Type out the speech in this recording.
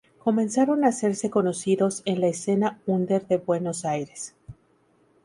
Comenzaron a hacerse conocidos en la escena "under" de Buenos Aires.